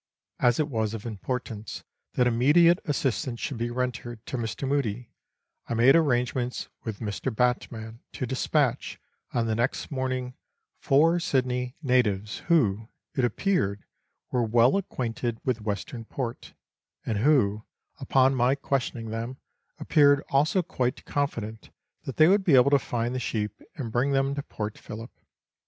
As it was of importance that immediate as sistance should be rendered to Mr. Mudie, I made arrangements with Mr. Batman to despatch, on the next morning, four Sydney 1'ss Letters from Victorian Pioneers. natives who, it appeared, were well acquainted with Western Port, and who, upon my questioning them, appeared also quite confident that they would be able to find the sheep, and bring them to Port Phillip.